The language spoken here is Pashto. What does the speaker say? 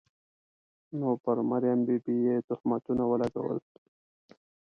نو پر مریم بي بي یې تهمتونه ولګول.